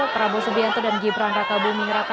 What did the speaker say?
prabowo subianto dan gibran raka buming raka